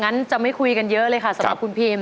งั้นจะไม่คุยกันเยอะเลยค่ะสำหรับคุณพิม